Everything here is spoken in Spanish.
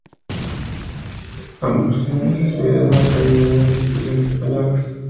Ambos índices miden la calidad de las editoriales españolas.